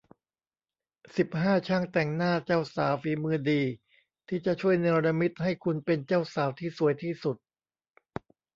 สิบห้า ช่างแต่งหน้าเจ้าสาว ฝีมือดี ที่จะช่วยเนรมิตให้คุณเป็นเจ้าสาวที่สวยที่สุด